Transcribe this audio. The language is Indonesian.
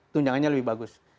tunjangannya lebih bagus